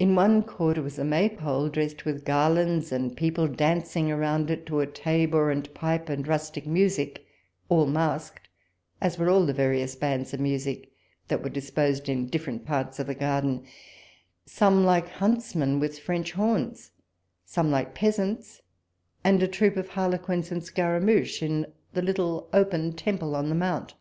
In one quarter, was a May pole dressed with garlands, and people dancing round it to a tabor and pipe and rustic nmsic, all masqued, as were all the various bands of music that were disposed in different parts of the garden ; some like huntsmen with French horns, some like peasants, and a troop of harlequins and scaramouches in the little open temple on the mount.